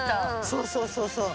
そうそうそうそう。